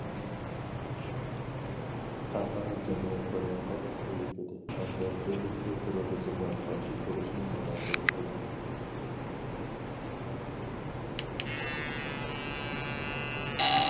خەلقئارا جەمئىيەت بۇنى قاتتىق ئەيىبلىدى ھەمدە بىرلىكتە تېررورىزمغا قارشى تۇرۇشنى مۇراجىئەت قىلدى.